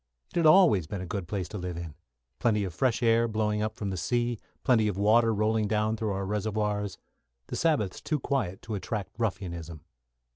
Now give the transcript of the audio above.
It had always been a good place to live in plenty of fresh air blowing up from the sea plenty of water rolling down through our reservoirs the Sabbaths too quiet to attract ruffianism.